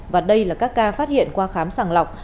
và đây là các ca phát hiện qua khám sàng lọc